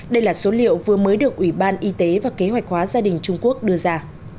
đây là số liệu vừa mới được ủy ban y tế và kế hoạch hóa gia đình trung quốc đưa ra